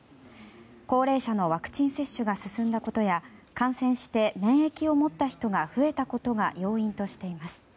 高齢者のワクチン接種が進んだことや感染して免疫を持った人が増えたことが要因としています。